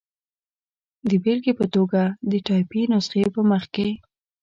د بېلګې په توګه، د ټایپي نسخې په مخ کې.